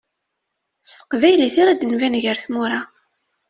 S teqbaylit ara d-nban gar tmura.